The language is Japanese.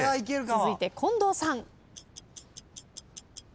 続いて近藤さん。